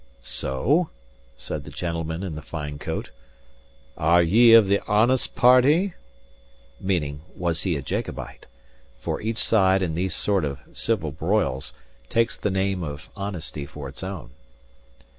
"So?" said the gentleman in the fine coat: "are ye of the honest party?" (meaning, Was he a Jacobite? for each side, in these sort of civil broils, takes the name of honesty for its own).